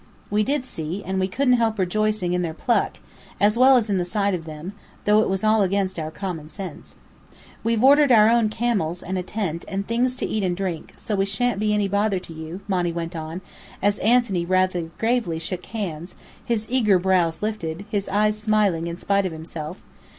We did see. And we couldn't help rejoicing in their pluck, as well as in the sight of them, though it was all against our common sense. "We've ordered our own camels, and a tent, and things to eat and drink, so we shan't be any bother to you," Monny went on, as Anthony rather gravely shook hands, his eager brows lifted, his eyes smiling in spite of himself.